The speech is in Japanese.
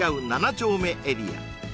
丁目エリア